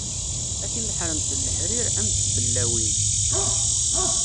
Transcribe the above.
A timeḥremt n leḥrir, a mm tballawin.